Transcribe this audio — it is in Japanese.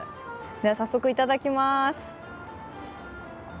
では早速、いただきます。